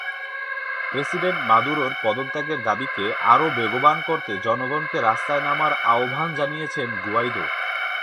President মাদুরোর পদত্যাগের দাবিকে আরও বেগবান করতে জনগণকে রাস্তায় নামার আহ্বান জানিয়েছেন গুয়াইদো।